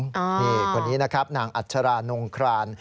นี่คนนี้นะครับนางอัชรานงคราน